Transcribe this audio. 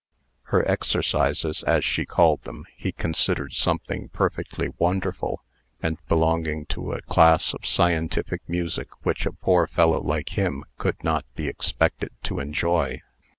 Her "exercises," as she called them, he considered something perfectly wonderful, and belonging to a class of scientific music which a poor fellow like him could not be expected to enjoy.